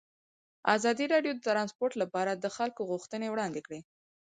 ازادي راډیو د ترانسپورټ لپاره د خلکو غوښتنې وړاندې کړي.